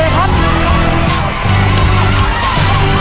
อีกลูกเท่าไหร่